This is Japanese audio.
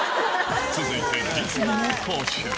続いて実技の講習。